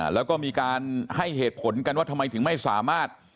แล้วก็มีการให้เหตุผลกันว่าทำไมถึงไม่สามารถ